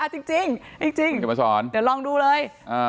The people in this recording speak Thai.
อ้าวจริงเดี๋ยวลองดูเลย